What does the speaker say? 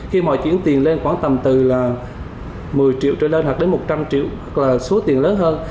khi mà chuyển tiền lên khoảng tầm từ là một mươi triệu trở lên hoặc đến một trăm linh triệu hoặc là số tiền lớn hơn